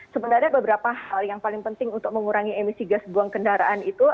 sebenarnya beberapa hal yang paling penting untuk mengurangi emisi gas buang kendaraan itu